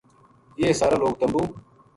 یہ سارا لوک تمبو